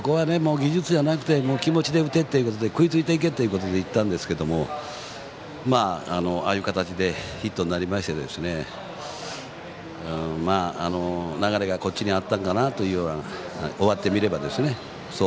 技術じゃなくて気持ちで打てっていうことで食いついていけということで言ったんですがああいう形でヒットになりまして流れがこっちにあったんかなというのを終わってみれば